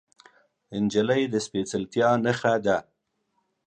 نجلۍ د سپیڅلتیا نښه ده.